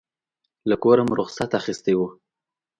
له کوره مو رخصت اخیستی و.